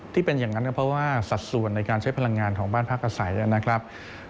ที่เป็นอย่างนั้นก็เพราะว่าสัดส่วนในการใช้พลังงานของบ้านพักอาศัยนะครับ